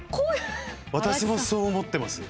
私もそう思ってます。